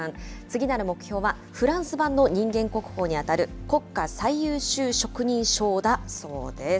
次なる目標は、フランス版の人間国宝に当たる国家最優秀職人章だそうです。